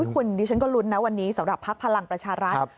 คุณดิฉันก็ลุ้นนะวันนี้สำหรับภักดิ์พลังประชารัฐ